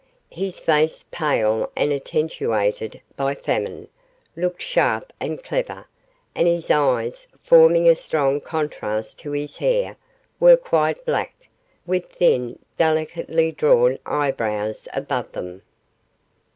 His face, pale and attenuated by famine, looked sharp and clever; and his eyes, forming a strong contrast to his hair, were quite black, with thin, delicately drawn eyebrows above them.